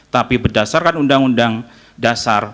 tapi berdasarkan undang undang dasar